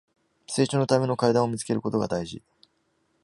成長のための階段を見つけることが大事